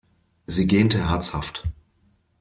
Sie gähnte herzhaft.